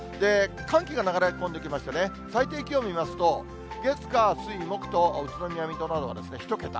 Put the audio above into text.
寒気が流れ込んできましてね、最低気温見ますと、月、火、水、木と宇都宮、水戸などは１桁。